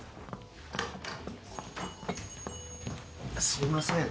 すみません。